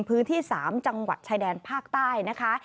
พื้นที่๓จังหวัดชายแดนภาคใต้นะคะ